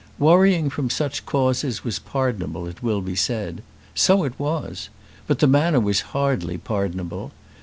Worrying from such causes was pardonable it will be said. So it was; but the manner was hardly pardonable.